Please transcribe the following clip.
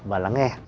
và lắng nghe